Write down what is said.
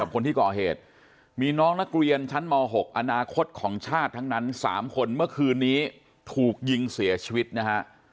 คนที่ก่อเหตุมีน้องนักเรียนชั้นม๖อนาคตของชาติทั้งนั้น๓คนเมื่อคืนนี้ถูกยิงเสียชีวิตนะฮะ